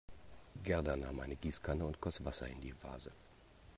Gerda nahm eine Gießkanne und goss Wasser in die Vase.